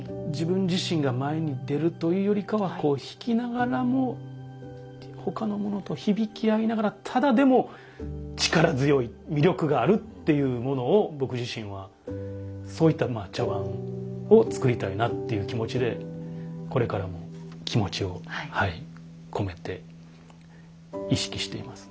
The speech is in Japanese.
自分自身が前に出るというよりかは引きながらも他のものと響き合いながらただでも力強い魅力があるっていうものを僕自身はそういった茶碗を作りたいなっていう気持ちでこれからも気持ちを込めて意識しています。